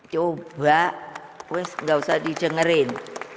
coba gak usah dijengerin